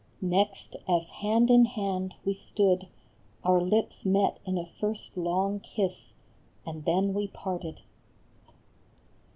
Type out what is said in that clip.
Next, as hand in hand We stood, our lips met in a first long kiss, And then we parted.